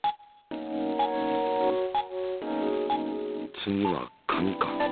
次は紙か。